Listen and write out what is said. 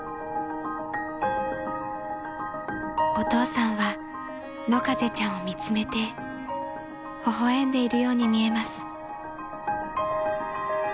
［お父さんは野風ちゃんを見つめて微笑んでいるように見えます］